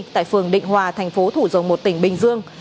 tại phường định hòa thành phố thủ dầu một tỉnh bình dương